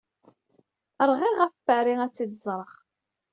Rɣiɣ ɣef Paris ad tt-id-ẓreɣ.